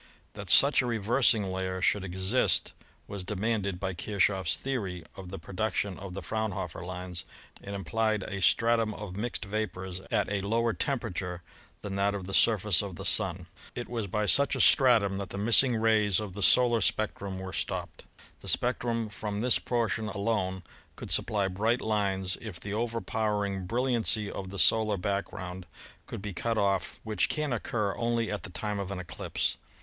That such a reversing layer should exist was de manded by KirchofY's theory of the production of the Fraunhof er lines, and implied a stratum of mixed vapors at a lower temperature than that of the surface of the Sun. It was by such a stratum that the missing rays of the solar spectrum were stopped. The spectrum from this portion alone should supply bright lines if the overpowering bril liancy of the solar background could be cut off, which can occur only at the time of an eclipse.